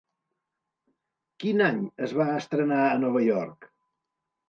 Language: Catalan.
Quin any es va estrenar a Nova York?